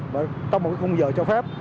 và tốc một cái khung giờ cho phép